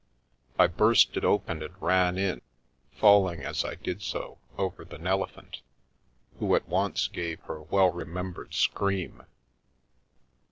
I burst it open and ran in, falling, as I did so, over the Nelephant, who at once gave her well remembered scream.